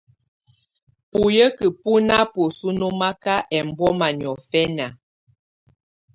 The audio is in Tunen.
Buyǝ́ki bù na bǝsu nɔmaka ɛmbɔma niɔ̀fɛna.